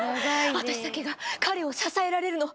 あたしだけが彼を支えられるの。